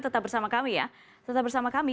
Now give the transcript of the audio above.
tetap bersama kami ya tetap bersama kami